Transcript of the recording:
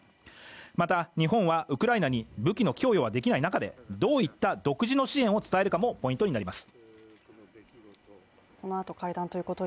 また、日本はウクライナに武器の供与はできない中でどういった独自の支援を伝えるかもポイントになります。